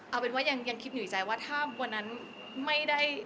เอาเป็นว่ายังคิดอยู่ใจว่าถ้าวันนั้นไม่ได้